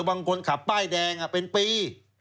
คนขับป้ายแดงเป็นปี